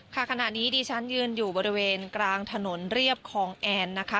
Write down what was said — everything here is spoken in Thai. ขณะนี้ดิฉันยืนอยู่บริเวณกลางถนนเรียบคลองแอนนะคะ